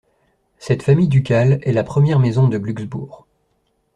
Cette famille ducale est la première maison de Glücksbourg.